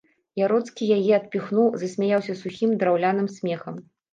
Яроцкі яе адпіхнуў, засмяяўся сухім, драўляным смехам.